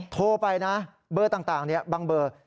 โทรไปนะเบอร์ต่างบางเบอร์